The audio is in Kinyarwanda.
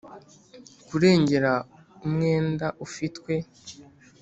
kurengera umwenda ufitwe